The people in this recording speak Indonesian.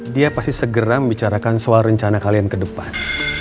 dia pasti segera membicarakan soal rencana kalian ke depan